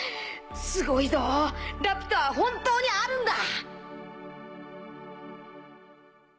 すごいぞラピュタは本当にあるんだ！